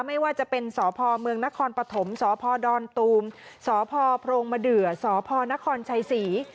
ไม่ว่าจะเป็นสพเมืองนครปฐมสพดอนตูมสพโพรงมะเดือสพนครชัยศรี